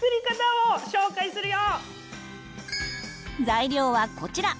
材料はこちら。